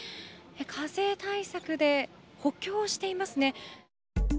風対策で補強していますね。